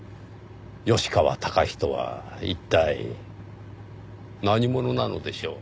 吉川崇とは一体何者なのでしょう？